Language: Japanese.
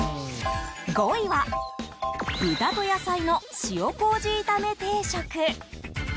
５位は豚と野菜の塩麹炒め定食。